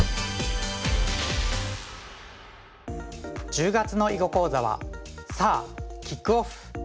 １０月の囲碁講座は「さぁ！キックオフ」。